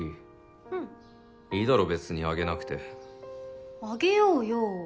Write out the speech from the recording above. うんいいだろ別に挙げなくて挙げようよ